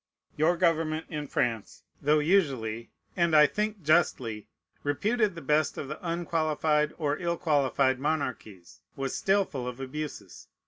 Your government in France, though usually, and I think justly, reputed the best of the unqualified or ill qualified monarchies, was still full of abuses.